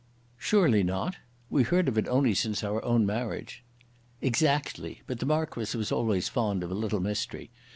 "Surely not; we heard of it only since our own marriage." "Exactly; but the Marquis was always fond of a little mystery.